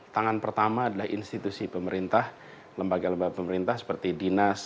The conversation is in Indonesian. tangan pertama adalah institusi pemerintah lembaga lembaga pemerintah seperti dinas